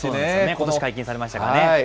ことし、解禁されましたからね。